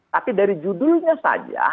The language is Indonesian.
tapi dari judulnya saja